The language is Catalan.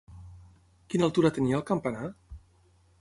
Quina altura tenia el campanar?